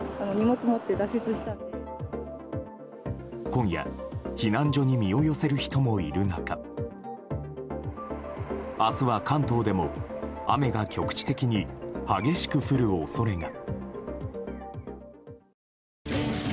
今夜、避難所に身を寄せる人もいる中明日は関東でも雨が局地的に激しく降る恐れが。